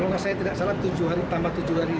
kalau saya tidak salah tambah tujuh hari